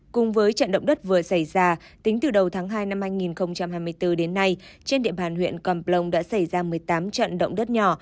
cùng với trận động đất vừa xảy ra tính từ đầu tháng hai năm hai nghìn hai mươi bốn đến nay trên địa bàn huyện con plong đã xảy ra một mươi tám trận động đất nhỏ